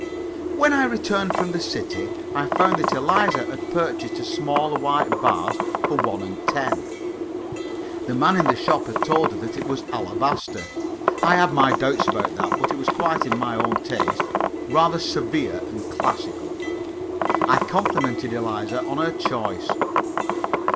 When I returned from the city I found that Eliza had purchased a small white vase for one and ten. The man in the shop had told her that it was alabaster. I had my doubts about that, but it was quite in my own taste rather severe and classical. I complimented Eliza on her choice.